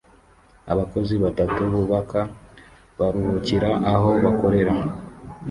Abakozi batatu bubaka baruhukira aho bakorera